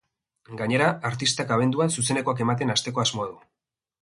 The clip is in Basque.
Gainera, artistak abenduan zuzenekoak ematen hasteko asmoa du.